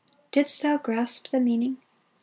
" Didst thou grasp the meaning ?